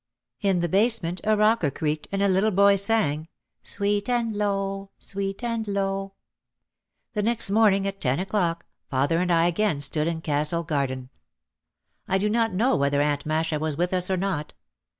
In the basement a rocker creaked and a little boy sang, "Sweet and low, sweet and low." The next morning at ten o'clock father and I again stood in Castle Garden. I do not know whether Aunt Masha was with us or not.